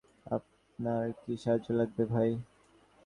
আপনার কি সাহায্য লাগবে, ভাই?